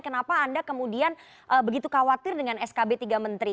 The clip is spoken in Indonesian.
kenapa anda kemudian begitu khawatir dengan skb tiga menteri